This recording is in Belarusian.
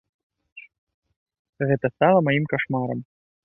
Гэта стала маім кашмарам.